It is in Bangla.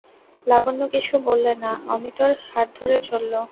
লাবণ্য কিছু বললে না, অমিতর হাত ধরে চলল।